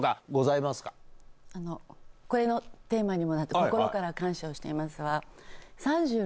これのテーマにもなってる「心から感謝しています」は。